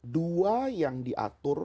dua yang diatur